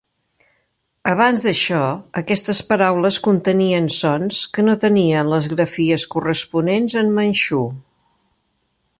Abans d'això, aquestes paraules contenien sons que no tenien les grafies corresponents en manxú.